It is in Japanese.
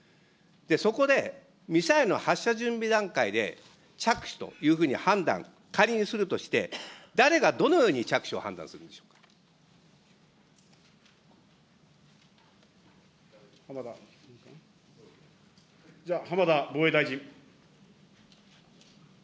そこで、ミサイルの発射準備段階で、着手というふうに判断、仮にするとして、誰がどのように着手じゃあ、浜田防衛大臣。